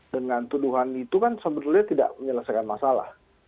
dengan tuduhan itu kan sebetulnya tidak menyelesaikan masalah